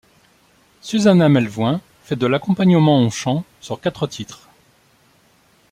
Susannah Melvoin fait de l'accompagnement au chant sur quatre titres.